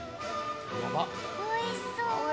おいしそう。